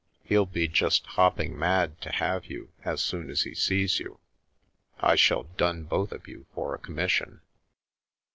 He'll be just hopping mad to have you as soon as he sees you. I shall dun both of you for a commission